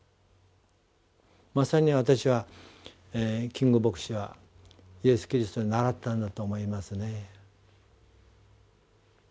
まさに私はキング牧師はイエス・キリストに倣ったんだと思いますね。